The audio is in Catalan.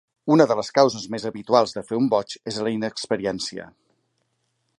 Una de les causes més habituals de fer un "botch" és la inexperiència.